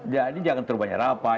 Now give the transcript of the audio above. jadi jangan terlalu banyak rapat